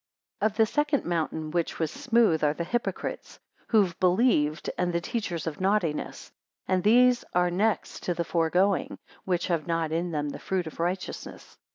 181 Of the second mountain which was smooth, are the hypocrites, who have believed, and the teachers of naughtiness: and these are next to the foregoing, which have not in them the fruit of righteousness.